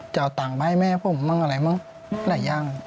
จะเอาตังค์ไปให้แม่ผมอะไรอย่างนั้น